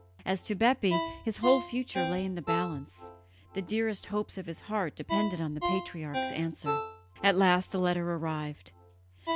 As to Bepi his whole future lay in the balance; the dearest hopes of his heart depended on the patriarch's answer. At last the letter arrived.